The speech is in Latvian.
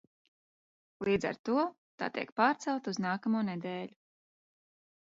Līdz ar to tā tiek pārcelta uz nākamo nedēļu.